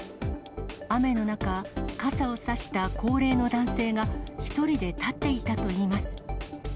雨の中、傘を差した高齢の男性が、１人で立っていたといいます。